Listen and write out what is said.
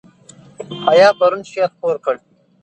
حیا پرون شعر خپور کړ.